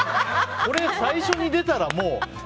これ最初に出たら。